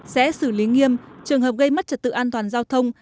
sẽ xử lý nghiêm trường hợp gây mất trật tự an toàn giao thông